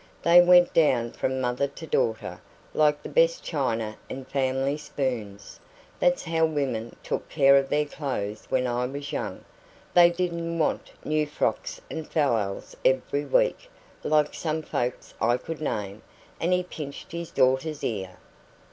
They went down from mother to daughter, like the best china and family spoons. That's how women took care of their clothes when I was young. They didn't want new frocks and fallals every week, like some folks I could name." And he pinched his daughter's ear.